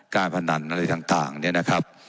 การพนันอะไรต่างเนี่ยนะครับ